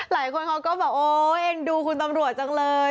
หลายคนเขาก็บอกโอ๊ยเอ็นดูคุณตำรวจจังเลย